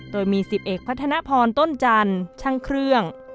โดยมี๑๐เอกพัฒนพรต้นจันทร์ช่างเครื่อง